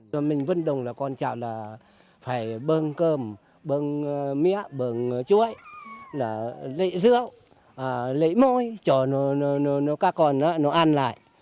chúng tôi vận động là con chào là phải bơm cơm bơm mía bơm chuối là lấy rượu lấy muối cho các con nó ăn lại